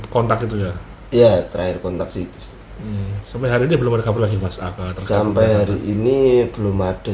kontak itu ya iya terakhir kontaksi sampai hari ini belum ada lagi sampai hari ini belum ada